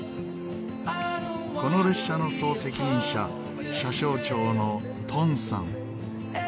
この列車の総責任者車掌長のトンさん。